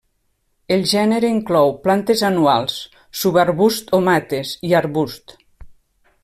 El gènere inclou plantes anuals, subarbusts o mates i arbusts.